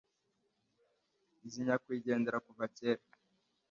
Nzi nyakwigendera kuva kera.